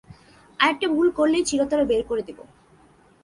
আরেকটা ভুল করলেই চিরতরে বের করে দিব?